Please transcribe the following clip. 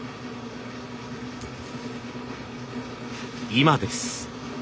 今です。